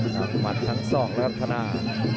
หลังวางทาง๒แล้วก็ธนา